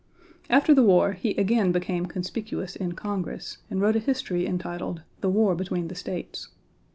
After the war he again became conspicuous in Congress and wrote a history entitled "The War between the States."